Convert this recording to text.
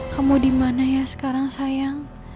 kamu dimana ya sekarang sayang